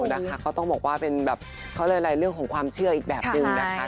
นะคะก็ต้องบอกว่าเป็นแบบเขาเรียกอะไรเรื่องของความเชื่ออีกแบบนึงนะคะ